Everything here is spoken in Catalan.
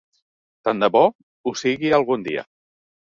Tant de bo ho sigui algun dia.